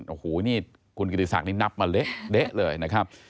โอ้โหนี่คุณกิติศักดิ์นี่นับมาเละเลยนะครับ